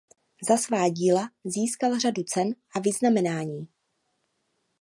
Za svá díla získal řadu cen a vyznamenání.